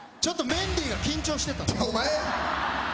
メンディー緊張してた。